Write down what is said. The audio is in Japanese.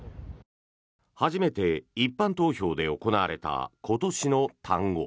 初めて一般投票で行われた今年の単語。